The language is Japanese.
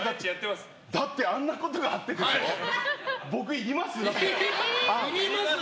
だってあんなことがあってですよ。